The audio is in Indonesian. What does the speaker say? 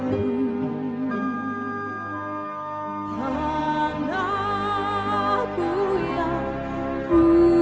yang masih bermain di kanta ora